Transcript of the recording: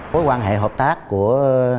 phối quan hệ hợp tác của